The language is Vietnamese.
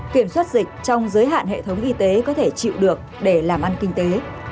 kiểm soát dịch trong giới hạn hệ thống y tế có thể chịu được để làm ăn kinh tế